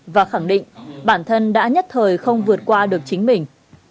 và khẳng định bản thân đã nhất thời không vượt qua được chính mình